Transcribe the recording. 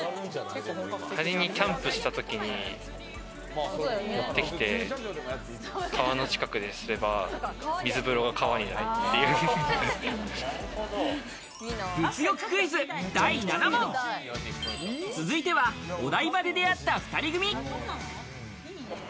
仮にキャンプした時に持ってきて、川の近くですれば水風呂が物欲クイズ、第７問！続いては、お台場で出会った２人組。